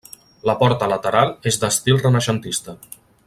La porta lateral és d'estil renaixentista.